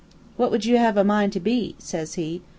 "'What would you have a mind to be?' says he.